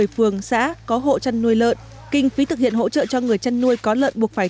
một mươi phường xã có hộ chăn nuôi lợn kinh phí thực hiện hỗ trợ cho người chăn nuôi có lợn buộc phải